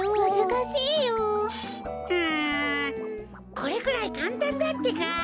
これくらいかんたんだってか。